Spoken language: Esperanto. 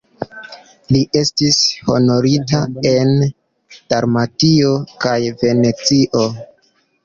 Li estas honorita en Dalmatio kaj Venecio.